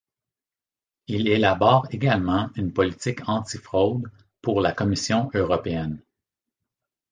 Il élabore également une politique antifraude pour la Commission européenne.